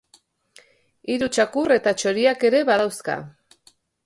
Hiru txakur eta txoriak ere badauzka.